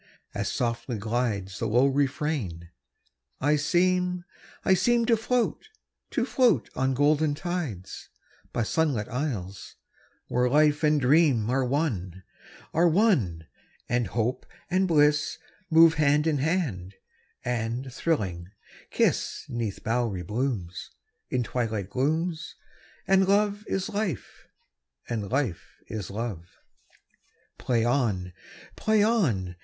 As softly glidesThe low refrain, I seem, I seemTo float, to float on golden tides, By sunlit isles, where life and dreamAre one, are one; and hope and blissMove hand in hand, and thrilling, kiss'Neath bowery blooms, In twilight glooms, And love is life, and life is love. Play on! Play on!